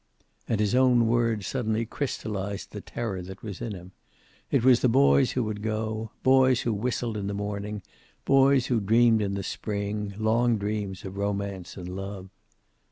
And his own words suddenly crystallized the terror that was in him. It was the boys who would go; boys who whistled in the morning; boys who dreamed in the spring, long dreams of romance and of love.